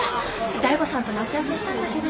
醍醐さんと待ち合わせしたんだけど。